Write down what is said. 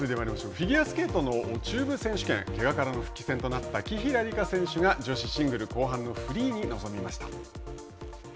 フィギュアスケートの中部選手権、けがからの復帰戦となった紀平梨花選手が女子シングルの後半のフリーに臨みました。